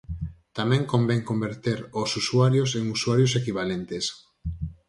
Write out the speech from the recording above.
Tamén convén converter aos usuarios en usuarios equivalentes.